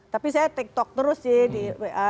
tapi saya tiktok terus sih di wa